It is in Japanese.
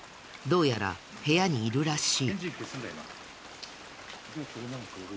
どうやら部屋にいるらしい。